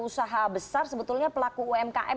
usaha besar sebetulnya pelaku umkm